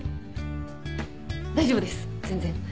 大丈夫です全然。